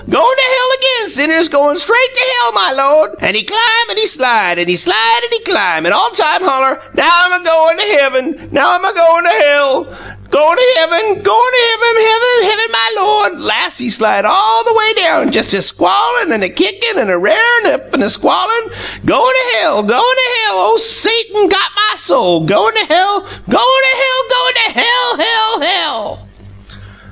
Goin' to hell agin, sinnuhs! Goin' straight to hell, my Lawd!' An' he clim an' he slide, an' he slide, an' he clim, an' all time holler: 'Now 'm a goin' to heavum; now 'm a goin' to hell! Goin'to heavum, heavum, heavum, my Lawd!' Las' he slide all a way down, jes' a squallin' an' a kickin' an' a rarin' up an' squealin', 'Goin' to hell. Goin' to hell! Ole Satum got my soul! Goin' to hell! Goin' to hell! Goin' to hell, hell, hell!"